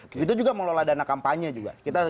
begitu juga mengelola dana kampanye juga